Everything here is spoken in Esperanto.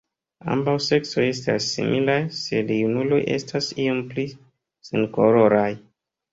Ambaŭ seksoj estas similaj, sed junuloj estas iom pli senkoloraj.